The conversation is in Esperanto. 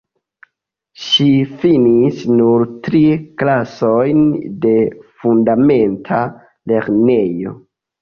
Ŝi finis nur tri klasojn de fundamenta lernejo.